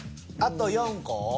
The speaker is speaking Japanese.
あと４個？